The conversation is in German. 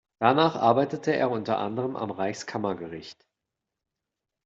Danach arbeitete er unter anderem am Reichskammergericht.